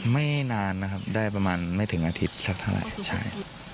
ไม่นานนะครับได้ประมาณไม่ถึงอาทิตย์สักเท่าไหร่ใช่